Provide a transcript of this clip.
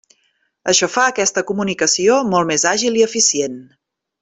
Això fa aquesta comunicació molt més àgil i eficient.